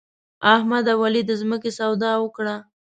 احمد او علي د ځمکې سودا وکړه.